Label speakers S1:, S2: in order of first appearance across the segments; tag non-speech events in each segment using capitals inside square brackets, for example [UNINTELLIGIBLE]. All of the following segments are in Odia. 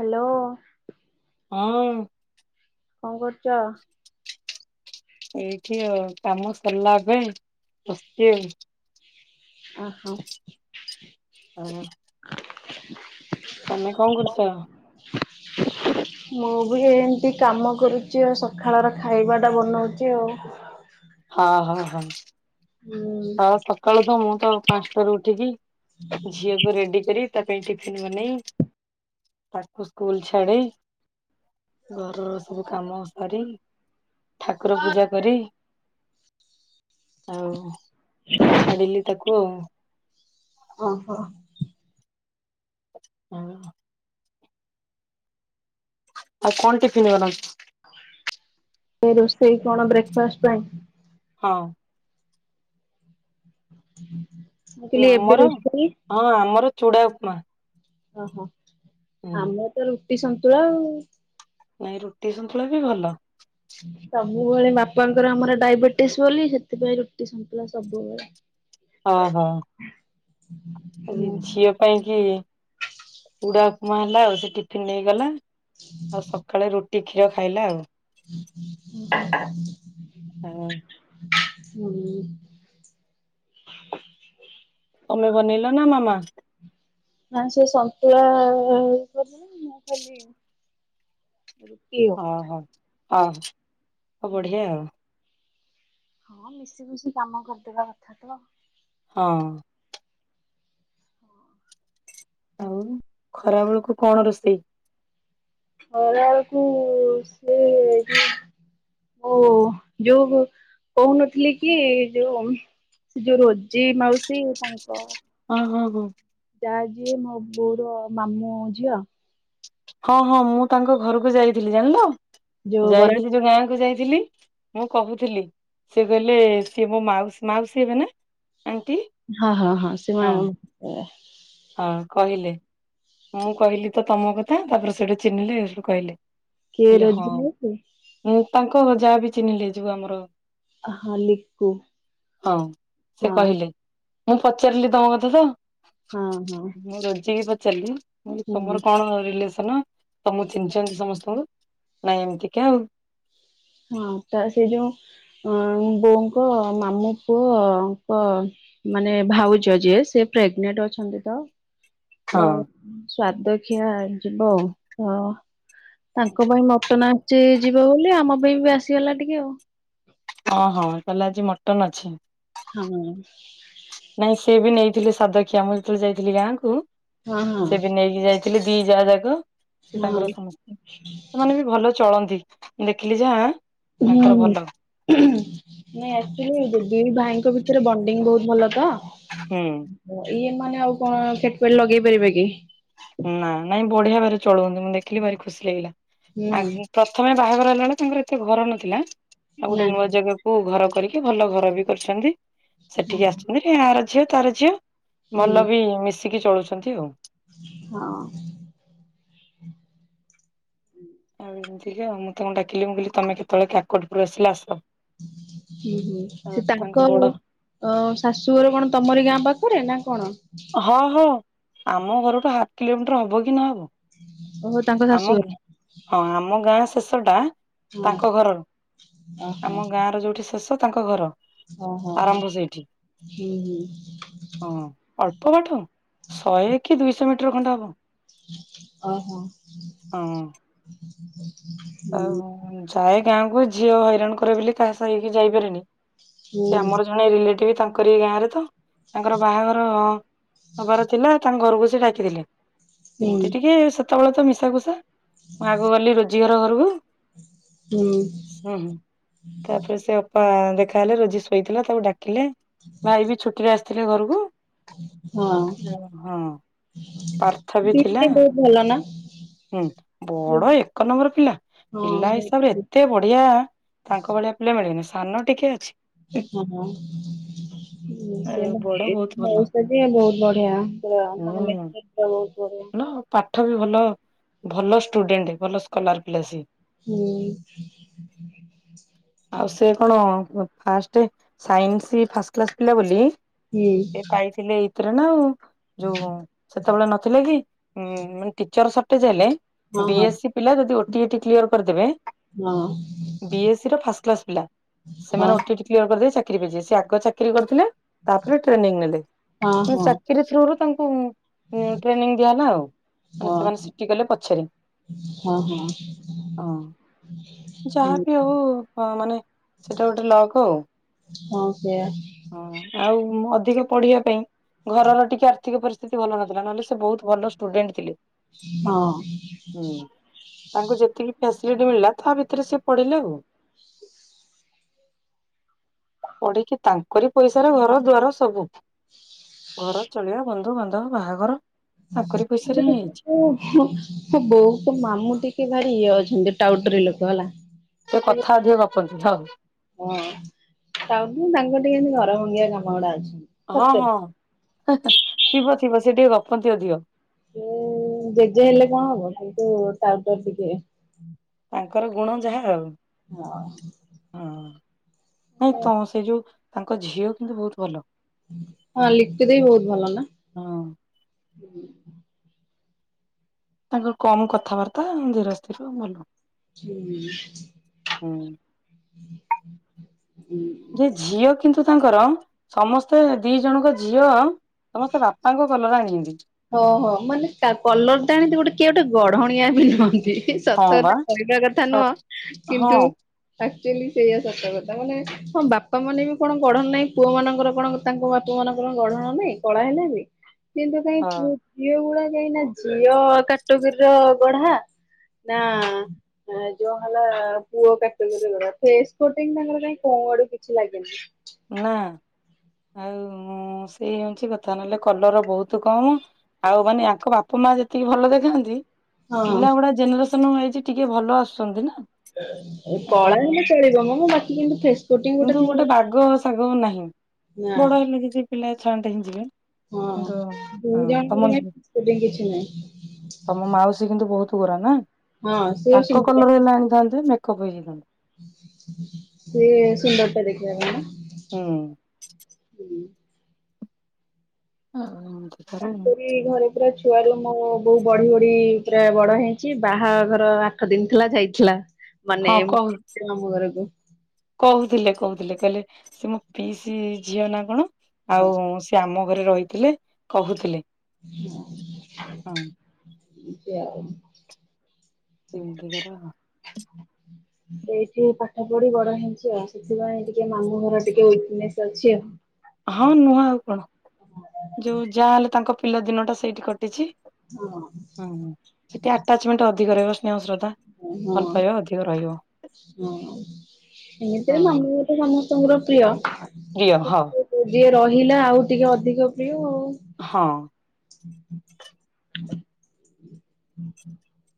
S1: ହାଲୋ।
S2: ହଁ।
S1: କଣ କରୁଚ?
S2: ଏଇଠି ଆଉ କାମ ସରିଲା ଏବେ ବସିଛି ଆଉ।
S1: ଓହୋ।
S2: ହଁ, ତମେ କଣ କରୁଚ?
S1: [INAUDIBLE] ମୁଁ ବି ଏମିତି କାମ କରୁଛି ଆଉ ସକାଳର ଖାଇବା ଟା ବନାଉଛି ଆଉ।
S2: ହଁ ହଁ ହଁ।
S1: ହୁଁ
S2: ହଁ ସକାଳୁ ତ ମୁଁ ତ ପାଞ୍ଚଟାରୁ ଉଠିକି ଝିଅକୁ ରେଡି କରି ତା ପାଇଁ ଟିଫିନ ବନେଇ ତାକୁ ସ୍କୁଲ ଛାଡି ଘରର ସବୁ କାମ ସରି ଠାକୁର ପୂଜା କରି ଆଉ ଛାଡିଲି ତାକୁ ଆଉ।
S1: ଓ ହୋ।
S2: ହଁ। ଆଉ କଣ ଟିଫିନ୍ ବନଉଚ?
S1: ସେ ରୋଷେଇ କଣ ବ୍ରେକ୍ଫାଷ୍ଟ ପାଇଁ?
S2: ହଁ।
S1: ମୁଁ କହିଲି ଏବେ ରୋଷେଇ?
S2: ଚୁଡ଼ା ଉପମା।
S1: ଓହୋ
S2: ହୁଁ
S1: ଆମର ତ ରୁଟି ସନ୍ତୁଳା ଆଉ।
S2: ନାଇଁ ରୁଟି ସନ୍ତୁଳା ବି ଭଲ।
S1: ସବୁବେଳେ ବାପାଙ୍କର ଆମର ଡାଇବେଟିସ ବୋଲି ସେଥିପାଇଁ ରୁଟି ସନ୍ତୁଳା ସବୁବେଳେ।
S2: ଓ ହୋ। ସେ
S1: ହୁଁ
S2: ଝିଅ ପାଇଁ କି ଚୁଡା ଉପମା ହେଲା ଆଉ ସେ ଟିଫିନ ନେଇଗଲା। ଆଉ ସକାଳେ ରୁଟି କ୍ଷୀର ଖାଇଲା ଆଉ। ଆଉ।
S1: [UNINTELLIGIBLE] ହୁଁ।
S2: ତମେ ବନେଇଲ ନା ମାମା?
S1: ନା ସେ ସନ୍ତୁଳା ଆ କଲେ ମୁଁ ଖାଲି ରୁଟି ଆଉ।
S2: ଓହୋ ଓଃ ବଢିଆ ଆଉ।
S1: ହଁ ମିଶି ମୁଶି କାମ କରିଦବା କଥା ତ।
S2: ହଁ। ଆଉ ଖରା ବେଳକୁ କଣ ରୋଷେଇ?
S1: ହଁ ଖରାବେଳକୁ ସେଇ ଓ ଯୋଉ କହୁନଥିଲି କି ଯୋଉ ସେ ଯୋଉ ରୋଜି ମାଉସୀ ତାଙ୍କ
S2: ହଉ ହଉ
S1: ଯାହା ଯିଏ ମୋ ବୋଉର ମାମୁଁ ଝିଅ।
S2: ହଁ ହଁ ମୁଁ ତାଙ୍କ ଘରକୁ ଯାଇଥିଲି ଜାଣିଲ
S1: ଯୋଉ ବରା
S2: ଯାଇଥିଲି ଯୋଉ ଗାଁ କୁ ଯାଇଥିଲି। ମୁଁ କହୁଥିଲି ସେ କହିଲେ ସିଏ ମୋ ମାଉସୀ ମାଉସୀ ହେବେ ନା? ଆଣ୍ଟି
S1: ହଁ ହଁ ହଁ ସେ ମା
S2: ହଁ କହିଲେ, ମୁଁ କହିଲି ତ ତମ କଥା ତାପରେ ସେଠୁ ଚିହ୍ନିଲେ ସେଠୁ ସେ କହିଲେ।
S1: କିଏ
S2: କହିଲେ, ହଁ
S1: ରୋଜି ମାଉସୀ
S2: ମୁଁ ତାଙ୍କ ଯାହାବ ଚିହ୍ନିଲି ଯଉ ଆମର
S1: ହଁ, ଲିପୁ
S2: ହଁ ସେ
S1: ହଁ।
S2: କହିଲେ ମୁଁ ପଚାରିଲି ତମ କଥା ତ।
S1: ହଁ ହଁ
S2: ମୁଁ ରୋଜି କି ପଚାରିଲି। ମୁଁ କହିଲି
S1: ହୁଁ
S2: ତମର କଣ ହ ତମକୁ ଚିହ୍ନିଛନନ୍ତି ସମସ୍ତଙ୍କୁ ନାଇଁ ଏମିତିକା ଆଉ।
S1: ହଁ ତା ସେ ଯୋଉ। ଅ ବୋଉଙ୍କ ମାମୁ ପୁଅଙ୍କ ମାନେ ଭାଉଜ ଯିଏ ସେ। ପ୍ରେଗନେଣ୍ଟ ଅଛନ୍ତି ତ, ସ୍ୱାଦ ଖିଆ ଯିବ ହଁ। ତାଙ୍କ ପାଇଁ ମଟନ ଆସିଛି ଯିବ ବୋଲି ଆମ ପାଇଁ ବି ଆସିଗଲା ଟିକେ ଆଉ।
S2: ଓଁ ହଁ କହିଲେ ଆଜି ମଟନ ଅଛି?
S1: ହଁ।
S2: ନାଇଁ ସେି ବି ନେଇଥିଲେ ସାଦକ୍ଷିଆ ମୁଁ ଯେତେବେଳେ ଯାଇଥିଲି ଗାଁକୁ
S1: ହଁ
S2: ସେ ବି
S1: ହଁ
S2: ନେଇକି ଯାଇ ଥିଲେ ଦି ଯାଆ ଯାକ ସେ
S1: ହଁ
S2: ତାଙ୍କର ସମସ୍ତେ ସେମାନେ ବି ଭଲ ଚଳନ୍ତି। ଦେଖିଲି ଯାହା,
S1: ହୁଁ
S2: ତାଙ୍କର ଭଲ
S1: ହଁ ନାଇଁ ଆକ୍ଚଲି, ଦି ଭାଇଙ୍କ ଭିତରେ ବଣ୍ଡିଙ୍ଗ ବହୁତ ଭଲ ତ
S2: ହୁଁ
S1: ଇଏ, ମାନେ ଆଉ କଣ ସେତ ଲଗେଇ ପାରିବେ କି?
S2: ନା ନାଇଁ ବଢିଆ ଭାବରେ ଚଳୁ ହୁନ୍ତି ମୁଁ ଦେଖିଲି ଭାରି ଖୁସି ଲାଗିଲା
S1: ହୁଁ
S2: ଆ
S1: ହୁଁ
S2: ପ୍ରଥମେ, ବାହାଘର ହେଲାବେଳେ ତାଙ୍କର ଏତେ ଘର ନଥିଲା ଆଉ
S1: ନା
S2: ଗୋଟେ ନୂଆ ଜାଗାକୁ ଘର, କରିକି ଭଲ ଘର ବି କରିଛନ୍ତି ସେଠିକି ଆସିୁଛନ୍ତି ଆ ର ଝିଅ ତାର ଝିଅ।
S1: ହୁଁ
S2: ଭଲ ବି ମିଶିକି ଚଳୁଛନ୍ତି ଆଉ।
S1: ହଁ।
S2: ଆଉ ଏମିତିକା ମୁଁ ତା କଣ ଡାକିଲି ମୁଁ କହିଲି ତମେ କେତେବେଳେ କାକଟ ପୁରରୁ ଆସିଲ ଆସ,
S1: ହୁଁ ହୁଁ
S2: ଆଉ
S1: ସେ ତାଙ୍କ
S2: ବଡ
S1: ଅ ଶାଶୁଘର କଣ ତମରି ଗାଁ ପାଖରେ? କରେ ନା କଣ?
S2: ହଁ ହଁ ଆମ ଘରଠୁ ହାଫ କିଲୋମିଟର ହବ କି ନହବ।
S1: ଓହୋ ତାଙ୍କ
S2: ଆମ
S1: ଶାଶୁଘର
S2: ହଁ ଆମ ଗାଁ ଶେଷ, ଟା
S1: ହଁ
S2: ତାଙ୍କ ଘରର ଆମ ଗାଁ ର ଯୋଉଠି ଶେଷ ତାଙ୍କ ଘର।
S1: ହଁ ହୋ ହୋ
S2: ଆରମ୍ଭ ସେଇଠି
S1: ହୁଁ ହୁଁ।
S2: ହଁ ଅଳ୍ପ ବାଟ ଶହେ କି ଦୁଇଶହ ମିଟର ଖଣ୍ଡ ହବ।
S1: ଓହୋ!
S2: ହଁ।
S1: ହୁଁ
S2: ଆଉ ଯାଏ ଗାଁକୁ ଝିଅ ହଇରାଣ କରେ ବୋଲି କାହା ସା ହେଇକି ଯାଇପାରନି।
S1: ହୁଁ
S2: ସେ ଆମର ଜଣେ ରିଲେଟିଭ ତାଙ୍କରି ଗାଁ ରେ ତ ତାଙ୍କର ବାହାଘର। ହବାର ଥିଲା ତାଙ୍କ ଘରକୁ ସେ ଡାକିଥିଲେ
S1: ହୁଁ
S2: କେମତି ଟିକେ ସେତେବେଳେ ତ ମିଶାକୁସା, ମୁଁ ଆଗ ଗଲି ରୋଜି ଘର ଘରକୁ,
S1: ହୁଁ
S2: ହୁଁ ହ ତାପରେ ସେ ଅପା ଦେଖା ହେଲେ ରୋଜି ଶୋଇଥିଲା ତାକୁ ଡାକିଲେ ଭାଇ ବି ଛୁଟିରେ ଆସିଥିଲେ ଘରକୁ,
S1: ହଁ।
S2: ଓହୋ ପାର୍ଥ ବି ଥିଲା।
S1: ସେ ବହୁତ ଭଲ ନା
S2: ହୁଁ ବଡ
S1: ହଁ
S2: ଏକ ନମ୍ବର ପିଲା। ପିଲା ହିସାବରେ
S1: ବହୁତ
S2: ଏତେ ବଢିଆ ତାଙ୍କ ଭଳିଆ ପିଲା ମିଳିବେନି ସାନ ଟିକେ ଅଛି,
S1: ହୁଁ ହୁଁ।
S2: ଆଉ ବଡ ଭଲ।
S1: ବହୁତ ବଢିଆ ବହୁତ ବଢିଆ,
S2: ଆଉ ପାଠ ବି ଭଲ ଭଲ ଷ୍ଟୁଡେଣ୍ଟ ଭଲ ସ୍କଲାର ପିଲା ସିଏ।
S1: ହୁଁ
S2: ଆଉ ସେ କଣ? ଫାଷ୍ଟ ସାଇନ୍ସ ଫାଷ୍ଟ କ୍ଲାସ ପିଲା ବୋଲି
S1: ହୁଁ
S2: ସେ ପାଇଥିଲେ ଏଇଥିରେ ନା ଆଉ। ଯୋଉ ସେତେବେଳେ ନଥିଲେ କି ଉ ମାନେ ଟିଚର ସଟେଜ ହେଲେ,
S1: ହଁ
S2: ବି
S1: ହଁ
S2: ଏସ୍ ସି ପିଲା ଯଦି ଓଟିଟି କ୍ଲିୟର କରିଦେବେ, ବି ଏସ୍ ସିର ଫାସକ୍ଲାସ ପିଲା
S1: ହଁ
S2: ସେମାନେ ଓଟିଟି କ୍ଲିୟର କରିଦେଲେ ଚାକି,, ଚାକି ସେ ଆଗ ଚାକିରି କରିଥିଲେ ତାପରେ ଟ୍ରେନିଂ ନେଲେ
S1: ହଁ ହଁ
S2: କି
S1: ହଁ
S2: ଚାକିରୀ ଥ୍ରୁରୁ ତାଙ୍କୁ, ଟ୍ରେନିଂ ଦିଆହେଲା ଆଉ ମାନେ
S1: ହଁ
S2: ସେମାନେ ସିଟି ଗଲେ ପଛରେ।
S1: ହଁ ହଁ
S2: ହଁ।
S1: ହୁଁ
S2: ଯାହାବି ହଉ ମାନେ ସେଟା ଗୋଟେ ଲଗ ଆଉ।
S1: ହଁ ସେଇଆ
S2: ହଁ ଆଉ ଅଧିକ ପଢିବା ପାଇଁ ଘରର ଟିକେ ଆର୍ଥିକ ପରିସ୍ଥିତି ଭଲ ନଥିଲା, ନହେଲେ ସେ ବହୁତ ଭଲ ଷ୍ଟୁଡେଣ୍ଟ ଥିଲେ।
S1: ହଁ।
S2: ହୁଁ। ତାଙ୍କୁ ଯେତିକି ଫ୍ୟାସିଲିଟି ମିଳିଲା ତା ଭିତରେ ସିଏ ପଢିଲେ ଆଉ। ପଢିକି ତାଙ୍କରି ପଇସାର ଘର ଦ୍ବାର ସବୁ। ଘର ଚଳିବା, ବନ୍ଧୁବାନ୍ଧବ, ବାହାଘର ତାଙ୍କରି
S1: [UNINTELLIGIBLE]
S2: ପଇସାରେ ହିଁ ହେଇଛି।
S1: ତୋ ବୋଉକୁ ମାମୁଁ ଟି ସିଏ ଭାରି ଇଏ ଅଛନ୍ତି ଟାଉଟରି ଲୋକ ହେଲା।
S2: ସେ କଥା ଅଧିକ ଗପନ୍ତି ହଁ।
S1: ହଁ ଟାଉନୁ ତାଙ୍କର ଟିକେ ଏମତି ଘର ଭଙ୍ଗିଆ କାମ ଗୁଡା ଅଛି।
S2: ହଁ
S1: ସତରେ।
S2: ହଁ। ହେ ହେ ଥିବ ଥିବ ସେ ଟିକେ ଗପନ୍ତି ଅଧିକ।
S1: ମୋ ଜେଜେ ହେଲେ କଣ ହବ, କିନ୍ତୁ ଟାଉଟର ଟିକେ।
S2: ତାଙ୍କର ଗୁଣ ଯାହା ଆଉ।
S1: ହଁ।
S2: ହଁ ନାଇଁ ତମର ସେ ଯୋଉ ତାଙ୍କ ଝିଅ କିନ୍ତୁ ବହୁତ ଭଲ।
S1: ହଁ ଲିପି ଦେଇ ବହୁତ ଭଲ ନା।
S2: ହଁ। ତାଙ୍କର କମ କଥାବାର୍ତ୍ତା, ଧୀର ସ୍ଥିର ଭଲ।
S1: ହୁଁ।
S2: ହୁଁ।
S1: ହଁ ହ
S2: ଯେ ଝିଅ କିନ୍ତୁ ତାଙ୍କର, ସମସ୍ତେ ଦି ଜଣଙ୍କ ଝିଅ ସମସ୍ତେ ବାପାଙ୍କ ଭଲରେ ଆଣିହନ୍ତି।
S1: ଓହୋ ମାନେ କଲରଟା ଆଣି ଏନ୍ତି ଗୋଟେ କିଏ ଗୋଟେ ଗଢଣିଆ ବି ନୁହଁନ୍ତି। ହି ହି ସତ
S2: ହଁ
S1: କଥା
S2: ବା।
S1: କହିବା କଥା
S2: ସତ
S1: ନୁହଁ
S2: ହଁ
S1: କିନ୍ତୁ ତା ଆକଚୁଆଲି ସେଇଆ ସତ କଥା। ମାନେ ହଁ ବାପା ମାନେ ବି କଣ ଗଢଣ ନାହିଁ ପୁଅ ମାନଙ୍କର କଣ ତାଙ୍କ ବାପା ମାନଙ୍କ କଣ ଗଢଣ ନାହିଁ, କଳା ହେଲେ ବି କିନ୍ତୁ କାହିଁ
S2: ହଁ
S1: ପୁଅ ଝିଅ ଗୁଡା କାଇଁନା ଝିଅ କାଟଗୋରୀର ଗଢା ନା ଯୋଉ ହେଲା ପୁଅ କାଟାଗୋରୀ ଗୁରା ଫେସ୍ କଟିଂ ତାଙ୍କର କାଇଁ କଳା ମୋ ଆଡୁ କିଛି ଲାଗେନି।
S2: ନାଁ ଆଉ ସେଇ ହଉଁଛି କଥା। ନହେଲେ କଲର ବହୁତୁ କମ ଆଉ ମାନେ ଆଙ୍କ ବାପା ମା ଯେତିକି ଭଲ ଦେଖାଯାଆନ୍ତି, ପିଲା ଗୁଡା ଜେନେରେସନ [UNINTELLIGIBLE] ଆଇଛି ଟିକେ ଭଲ ଆସୁଛନ୍ତି ନା।
S1: କଳା
S2: ଆଉ
S1: ହେଲେ ଚଳିବ ମ ବାକି କେମତି ଫେସ୍ କଟିଙ୍ଗ
S2: କିନ୍ତୁ
S1: ଗୋଟେ ଥିବ।
S2: ବାଗ ଶାଗ ନାହିଁ।
S1: ନା
S2: ବଡ ହେଲେ କିଛି ପିଲା ଛାଆଣ୍ଡେ ହେଇଯିବେ।
S1: ହଁ
S2: କିନ୍ତୁ
S1: ଦୁଇ
S2: ହଁ
S1: ଜଣଙ୍କର
S2: ତମ
S1: କାଇଁ ଫିସ୍ପିଟିଙ୍ଗ କିଛି ନାହିଁ।
S2: ତମ ମାଉସୀ କିନ୍ତୁ ବହୁତ ପୁରା ନା,
S1: ହଁ ସିଏ
S2: ତାଙ୍କ କଲର ହେଲେ ଆଣିଥାନ୍ତେ ମେକଅପ୍ ହେଇଯାଇଥାନ୍ତେ।
S1: ସେ ସୁନ୍ଦରୀଟା ଦେଖିବା ପାଇଁ ନା?
S2: ହୁଁ।
S1: ହୁଁ।
S2: ହଁ ହଁ।
S1: ତାଙ୍କରି ଘରେ ପୁରା ଛୁଆରୁ ମୋ ବୋଉ ବଢି ବଢି ପୁରା ବଡ ହେଇଁଛି। ବାହାଘର ଆଠ ଦିନ ଥିଲା ଯାଇଥିଲା। ମାନେ
S2: ହଁ କହୁ
S1: [UNINTELLIGIBLE] ଆମ ଘରକୁ।
S2: କହୁଥିଲେ କହୁଥିଲେ କହିଲେ, ସେ ମୋ ପିଇସି ଝିଅ ନା କଣ? ଆଉ
S1: ହଁ
S2: ସିଏ ଆମ ଘରେ ରହିଥିଲେ କହୁଥିଲେ।
S1: [INAUDIBLE]
S2: ହଁ
S1: ଏମତି ଆଉ।
S2: [UNINTELLIGIBLE]
S1: ଏଇଠି ପାଠ ପଢି ବଡ ହେଇଁଛି ଆଉ। ସେଥିପାଇଁ ଟିକେ ମାମୁଁ ଘର ଟିକେ ୱିକନେସ ଅଛି ଆଉ।
S2: ହଁ ନୁହଁ ଆଉ କଣ? ଯୋଉ ଯାହା ହେଲେ ତାଙ୍କ ପିଲାଦିନଟା ସେଇଠି କଟିଛି। ହଁ ହୁଁ। ସେଠି ଆଟାଚମେଣ୍ଟ ଅଧିକ ରହିବ। ସ୍ନେହ, ଶ୍ରଦ୍ଧା
S1: ହଁ
S2: ଭଲ ପା ଅଧିକ ରହି
S1: ହଁ ଏମିତିରେ
S2: ହଁ।
S1: ମାମ ତ ସମସ୍ତଙ୍କର ପ୍ରିୟ
S2: ପ୍ରିୟ ହଁ
S1: ଯିଏ ରହିଲା ଆଉ ଟିକେ ଅଧିକ ପ୍ରିୟ ଆଉ
S2: ହଁ
S1: ହଁ ହୁଁ ହୁଁ ହୁଁ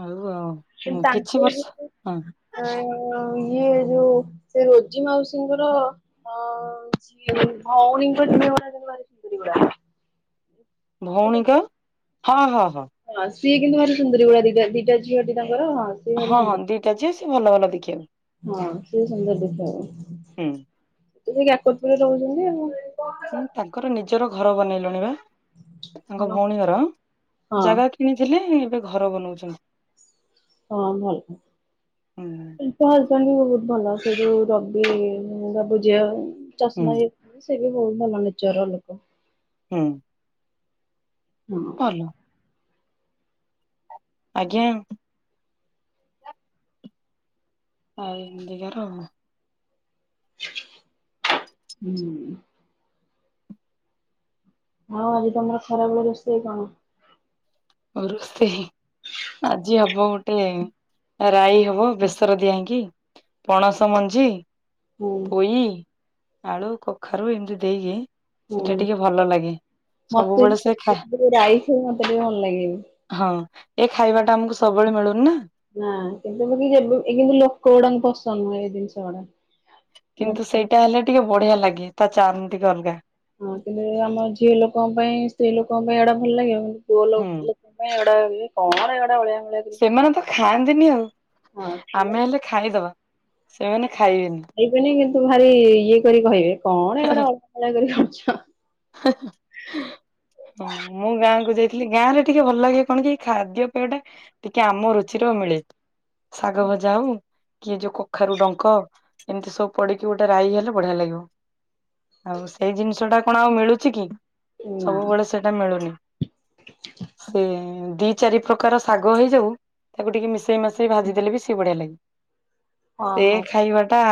S2: ହଉ
S1: ତାଙ୍କ ଅ ସିଏ ଯୋଉ ସେ ରୋଜି ମାଉସୀଙ୍କର ଅ ସଏ ଭଉଣୀଙ୍କ ଯ ିଡ଼
S2: ଭଉଣୀିକ ହଁ ହଁ
S1: ହଁ ସିଏ କିନ୍ତୁ ଆେ ସୁନ୍ଦରି ଗୁଳା ଦା ଦିଟା ଜି ର ହଁ ସିଏ ଭାରି
S2: ହଁ ହଁ
S1: ସୁନ୍ଦର
S2: ଦିଟା ଝିଅ ସେ ଭଲ ଭଲ ଦେଖିବାକୁ।
S1: ହଁ ସିଏ ସୁନ୍ଦର ଦେଖିବାକୁ
S2: ହୁଁ
S1: ତ ସେଇ କାକତପୁରରେ ରହୁଛନ୍ତି ଆ
S2: ହଁ ତାଙ୍କର ନିଜର ଘର ବନେଇଲୁଣି ବା ତାଙ୍କ ଭଉଣୀଙ୍କର
S1: ହଁ
S2: ଜାଗା
S1: ହଁ
S2: କିଣିଥିଲେ ଏବେ ଘର ବନଉଛନ୍ତି
S1: ହଁ ଭଲ
S2: ହୁଁ
S1: ହଜବଣ୍ଡ ବି ବହୁତ ଭଲ ସେଠୁ ରବି ରବୁ ଝିଅ
S2: ହୁଁ
S1: ଚଷମା ହେଇ ସେ ବି ବହୁ ଭଲ ନିଚାର ଲୋକ
S2: ହୁଁ
S1: ହଁ
S2: ଭଲ ଆଜ୍ଞା ଆାଇନ୍ତିଗର
S1: ହୁଁ ହଁ ଆଜି ତମର ଖରାବେଳେ ରୋଷେଇ କଣ
S2: ଓେ ହ ଆଜି ହବ ଗୋଟେ ରାାଇ ହବ ବେସର ଦିଆଇକି ପଣସ ମଞ୍ଜି
S1: ହୁଁ
S2: ପୋଇ ଆଳୁ କଖାରୁ ଏମିତି ଦେଇକି
S1: ହୁଁ
S2: ସେଟା ଟିକେ ଭଲ ଲାଗେ।
S1: ମତେ
S2: ସବୁବେଳେ ସେ ଖା
S1: ରାଇସ ମତେ ଟ ଭଲ ଲାଗିବ ହଁ
S2: ହଁ ଏ ଖାଇବା ଟା ଆମକୁ ସବୁବେଳେ ମିଳୁନି ନା
S1: ନା କେବେ କି କିନ୍ତୁ ଲୋକ ଗୁଡାଙ୍କୁ ପସନ୍ଦ ନୁହେ ଏଇ ଜିନିଷ ଗୁଡା
S2: କିନ୍ତୁ ସେଇଟା ହେଲେ ଟିକେ ବଢିଆ ଲାଗେ ତା ଚାରମ ଟିକେ ଅଲଗା
S1: ହଁ କିନ୍ତୁ ଆମ ଝିଅ ଲୋକଙ୍କ ପାଇଁ ସ୍ତ୍ରୀ ଲୋକଙ୍କ ପାଇଁ ଏଡା ଭଲ ଲାଗିବ କିନ୍ତୁ ପୁଅ
S2: ହୁଁ
S1: ଲୋକଙ୍କ ପାଇଁା କଣ ଏଟା ଭଳି
S2: ସେମାନେ ତ ଖାଆନ୍ତିନି ଆଉ
S1: କରୁଚ। ହଁ
S2: ଆମେ ହେଲେ ଖାଇଦବା ସେମାନେ ଖାଇବେନି।
S1: ଖାଇବେନି କିନ୍ତୁ ଭାରି ଇଏ କରି କହିବେ କଣ ଏଗୁଡା ଅଳଗା କା କରି ପୁଛ
S2: ହଁ ମୁଁ ଗାଁ କ ଯାଇଥିଲି ଖଲେ ଗାଁ ରେ ଟିକେ ଭଲ ଲାଗେ କଣ କି ଖାଦ୍ୟ ପେୟଟା ଟିକେ ଆମ ରୁଚିରେ ମିଳେ ଶାଗ ଭଜା ହଉ କିଏ ଯୋଉ କଖାରୁ ଡଙ୍କ ଏମିତି ସବୁ ପଡିକି ଗୋଟେ ରାଇ ହେଲେ ବଢିଆ ଲାଗିବ ଆଉ ସେଇ ଜିନିଷ ଟା କଣ ଆଉ ମିଳ ମି କି
S1: ନା।
S2: ସବୁବେଳେ ସେଟା ମିଳୁନି ସେ ଦିଇ ଚାରି ପ୍ରକାର ଶାଗ ହେଇଯାଉ ତାକୁ ଟିକେ ମିଶେଇ ମାସେଇ ଭାଜି ଦେେଲେ ବି ସେିଏ ବଢ଼ିଆ ଲାଗେ
S1: ହଁ
S2: ସେ
S1: ହଁ
S2: ଖାଇବା ଟା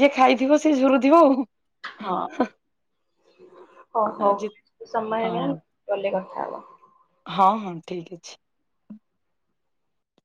S2: ଯିଏ ଖାଇଥିବ ସେିଏ ଝୁରୁଥିବ ଆଉ
S1: ହଁ ହ
S2: ଆଉ ଯିଏ
S1: ହଉ ସମୟ
S2: ହଁ
S1: ହେଇଗଲା ଗଲେ କଥା ଖ
S2: ହଁ ହଁ ଠିକ ଅଛି